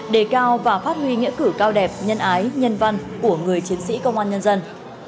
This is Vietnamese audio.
đề cao và phát huy nghĩa cử cao đẹp nhân ái nhân văn của người chiến sĩ công an nhân dân